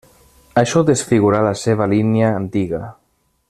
Això desfigurà la seva línia antiga.